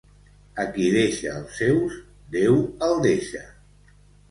A qui deixa els seus, Déu el deixa.